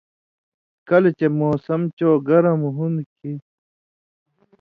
کلہۡ چے موسم چو گرم ہُون٘دوۡ کھیں